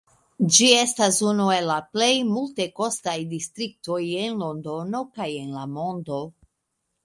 Ĝi estas unu el la plej multekostaj distriktoj en Londono kaj en la mondo.